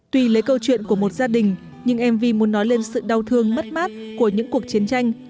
tuy lấy câu chuyện của một gia đình nhưng mv muốn nói lên sự đau thương mất mát của những cuộc chiến tranh